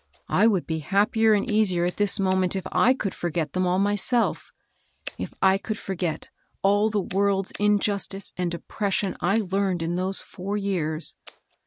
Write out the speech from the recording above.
I would be happier and easier at this moment if I could forget them all myself, — if I could forget all the world's injustice and oppression I learned in those four years.